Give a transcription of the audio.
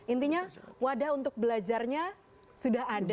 intinya wadah untuk belajarnya sudah ada